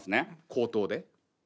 口頭で？